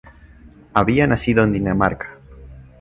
Había nacido en Dinamarca.